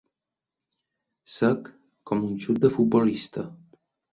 Sec com un xut de futbolista.